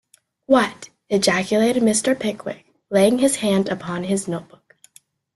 ‘What!’ ejaculated Mr. Pickwick, laying his hand upon his note-book.